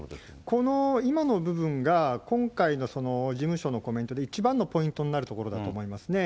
この今の部分が、今回の事務所のコメントで一番のポイントになるところだと思いますね。